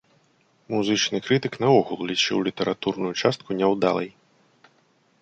Музычны крытык наогул лічыў літаратурную частку няўдалай.